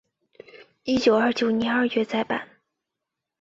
一九二九年二月再版。